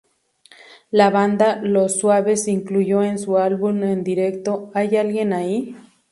La banda Los Suaves incluyó en su álbum en directo "¿Hay alguien ahí?